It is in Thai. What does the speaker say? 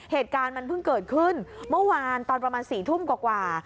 เหตุการณ์มันเพิ่งเกิดขึ้นเมื่อวานตอนประมาณ๔ทุ่มกว่า